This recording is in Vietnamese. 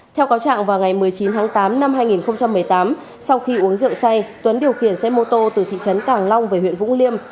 theo cáo trạng vào ngày một mươi chín tháng tám năm hai nghìn một mươi tám sau khi uống rượu say tuấn điều khiển xe mô tô từ thị trấn càng long về huyện vũng liêm